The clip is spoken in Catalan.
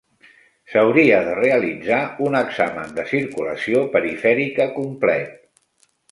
S'hauria de realitzar un examen de circulació perifèrica complet.